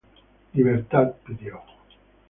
Libertad pidió: